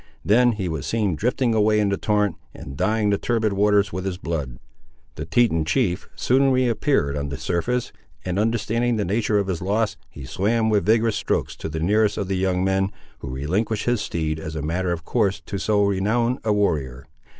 Then he was seen drifting away in the torrent, and dyeing the turbid waters with his blood. The Teton chief soon re appeared on the surface, and understanding the nature of his loss, he swam with vigorous strokes to the nearest of the young men, who relinquished his steed, as a matter of course, to so renowned a warrior.